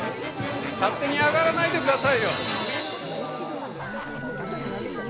勝手に上がらないでくださいよ！